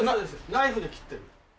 ナイフで切ってる。